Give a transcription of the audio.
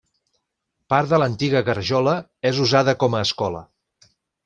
Part de l'antiga garjola és usada com a escola.